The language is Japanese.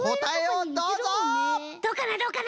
どうかなどうかな？